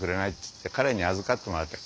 って彼に預かってもらって。